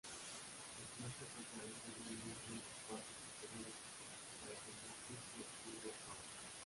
Sus flancos se aclaran gradualmente en sus partes inferiores para convertirse en gris pardo.